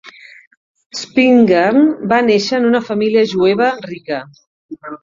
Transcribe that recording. Spingarn va néixer en una família jueva rica.